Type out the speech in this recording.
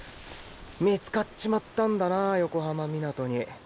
見つかっちまったんだな横浜湊に。